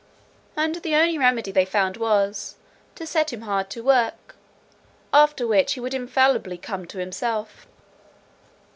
And the only remedy they found was, to set him to hard work, after which he would infallibly come to himself."